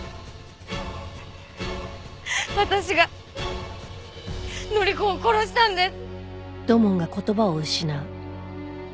私が範子を殺したんです！